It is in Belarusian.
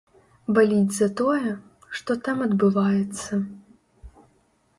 Баліць за тое, што там адбываецца.